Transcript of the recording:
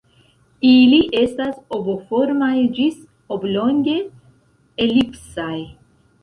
Ili estas ovoformaj ĝis oblonge-elipsaj.